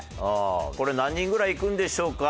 これ何人ぐらいいくんでしょうか？